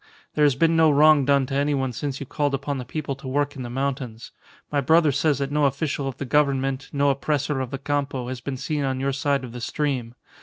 There has been no wrong done to any one since you called upon the people to work in the mountains. My brother says that no official of the Government, no oppressor of the Campo, has been seen on your side of the stream.